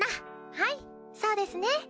はいそうですね。